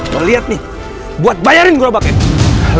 mau lihat nih buat bayarin gerobaknya